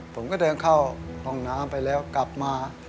ผมก็เดินเข้าห้องน้ำไปแล้วกลับมา